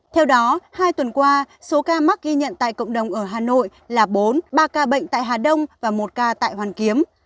theo đó hai tuần qua số ca mắc ghi nhận tại cộng đồng ở hà nội là bốn ba ca bệnh tại hà đông và một ca tại hoàn kiếm